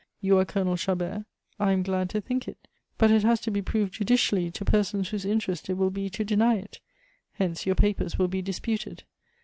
You are Colonel Chabert, I am glad to think it; but it has to be proved judicially to persons whose interest it will be to deny it. Hence, your papers will be disputed.